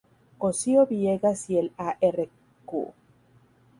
Cosío Villegas y el Arq.